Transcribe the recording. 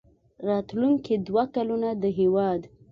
راتلونکي دوه کلونه د هېواد